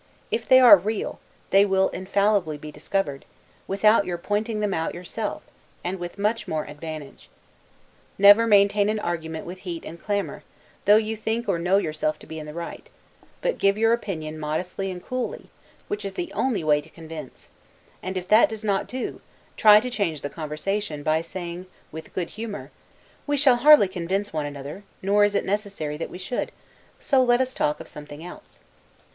If they are real, they will infallibly be discovered, without your pointing them out yourself, and with much more advantage. Never maintain an argument with heat and clamor, though you think or know yourself to be in the right: but give your opinion modestly and coolly, which is the only way to convince; and, if that does not do, try to change the conversation, by saying, with good humor, "We shall hardly convince one another, nor is it necessary that we should, so let us talk of something else."